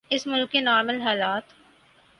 اس ملک کے نارمل حالات۔